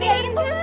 iya yang kemarin